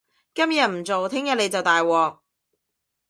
今日唔做，聽日你就大鑊